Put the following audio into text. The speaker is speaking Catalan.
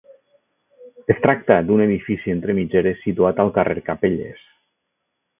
Es tracta d'un edifici entre mitgeres situat al carrer Capelles.